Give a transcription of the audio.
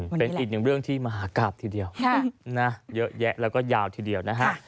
เป็นอีกหนึ่งเรื่องที่มหากราบทีเดียวเยอะแยะแล้วก็ยาวทีเดียวนะฮะ